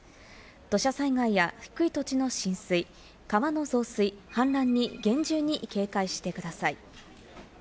土砂災害や低い土地の浸水、川の増水、氾濫に厳重に警戒してください。